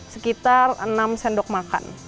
sekitar enam sendok makan